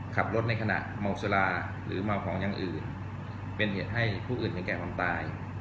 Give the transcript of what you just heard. ขับรถในขณะเมาสุราหรือเมาของอย่างอื่นเป็นเหตุให้ผู้อื่นถึงแก่ความตาย